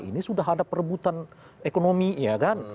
ini sudah ada perebutan ekonomi ya kan